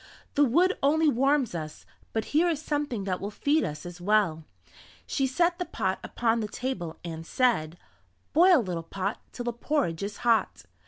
"The wood only warms us, but here is something that will feed us as well." She set the pot upon the table and said: "Boil little pot Till the porridge is hot."